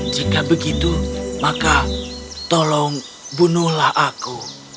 jika begitu maka tolong bunuhlah aku